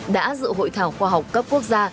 đã dự hội thảo khoa học cấp quốc gia